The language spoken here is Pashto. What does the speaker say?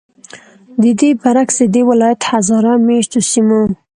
ددې برعکس، ددې ولایت هزاره میشتو سیمو